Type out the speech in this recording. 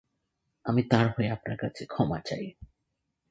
আমি তার হয়ে আপনাদের কাছে ক্ষমা চাই।